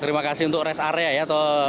terima kasih untuk rest area ya